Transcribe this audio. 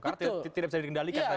karena tidak bisa dikendalikan tadi